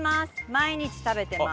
毎日食べてます。